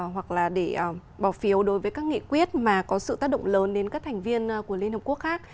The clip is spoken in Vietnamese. hoặc là để bỏ phiếu đối với các nghị quyết mà có sự tác động lớn đến các thành viên của liên hợp quốc khác